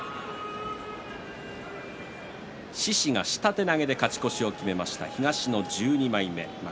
獅司、下手投げで勝ち越しを決めました東の１２枚目。